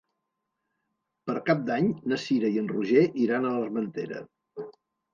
Per Cap d'Any na Cira i en Roger iran a l'Armentera.